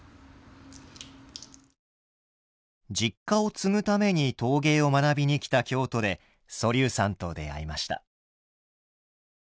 実家を継ぐために陶芸を学びに来た京都で蘇嶐さんと出会いました。